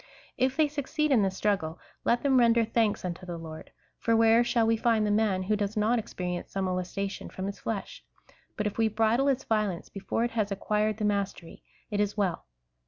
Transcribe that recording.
If they succeed in this struggle, let them render thanks unto the Lord, for where shall we find the man who does not ex perience some molestation from his flesh ? but if we bridle its violence, before it has acquired the mastery, it is well.